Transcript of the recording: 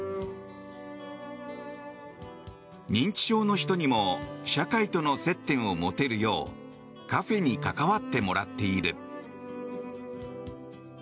認知症の人にも社会との接点を持てるようカフェに関わってもらっている。